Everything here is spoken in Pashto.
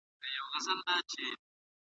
ایا خلک د لوږي سره مبارزه کولای سي؟